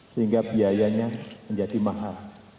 sehingga biayanya menjadi mahal